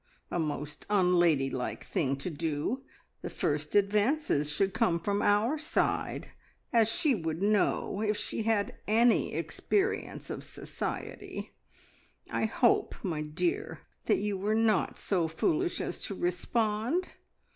A most unladylike thing to do! The first advances should come from our side, as she would know if she had any experience of society. I hope, my dear, that you were not so foolish as to respond.